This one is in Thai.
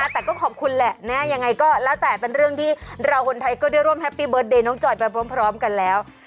แต่ก็ขอบคุณแหละยังไงก็แล้วแต่เป็นเรื่องที่เราคนไทยก็ได้ร่วมแฮปปี้เดิร์เดย์น้องจอยไปพร้อมกันแล้ว